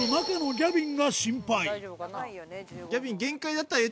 ギャビン！